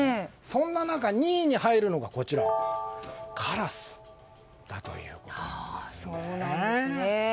そんな中、２位に入るのがカラスだということなんですね。